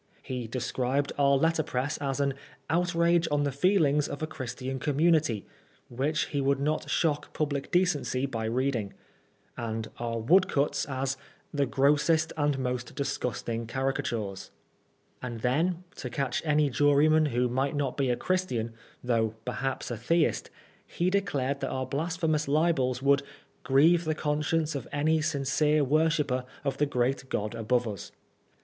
He described our letterpress as an "outrage on the feelings of a Christian community," which he would not shock public decency by reading ; and our woodcuts as " the grossest and most disgusting caricatures." And then, to catch any juryman who might not be a Christian, though perhaps a Theist, he declared that our blasphe mous libels would "grieve the conscience of any sincere worshipper of the great God above us."